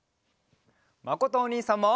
まことおにいさんも！